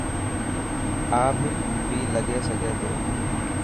آپ بي لکي سڳو تا.